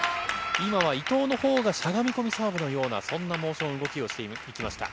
今は伊藤のほうがしゃがみ込みサーブのような、そんなモーション、動きをしていきました。